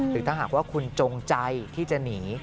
หรือถ้าหากว่าคุณจงใจที่จะหนี